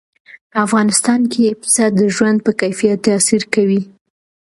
په افغانستان کې پسه د ژوند په کیفیت تاثیر کوي.